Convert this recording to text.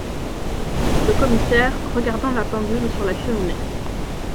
Le Commissaire , regardant la pendule sur la cheminée.